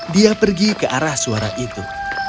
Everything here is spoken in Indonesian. dia pergi ke arah suara itu